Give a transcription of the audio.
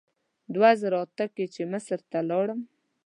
دوه زره اته کې چې مصر ته لاړم.